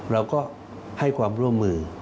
เราก็ให้ความร่วมมือ